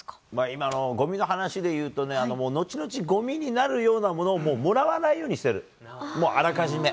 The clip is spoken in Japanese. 今のごみの話で言うとね、のちのちごみになるようなものをもうもらわないようにしてる、もうあらかじめ。